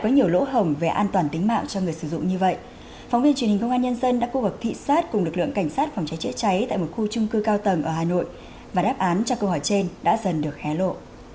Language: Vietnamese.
cảnh sát cùng lực lượng cảnh sát phòng cháy chữa cháy tại một khu trung cư cao tầng ở hà nội và đáp án cho câu hỏi trên đã dần được hé lộ